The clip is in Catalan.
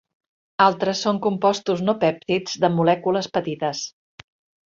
Altres són compostos no pèptids de molècules petites.